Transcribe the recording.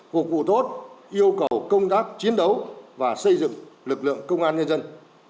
phục vụ tốt yêu cầu công tác chiến đấu và xây dựng lực lượng công an nhân dân